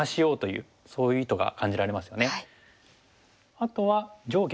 あとは上下。